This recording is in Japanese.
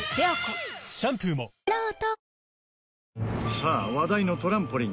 さあ話題のトランポリン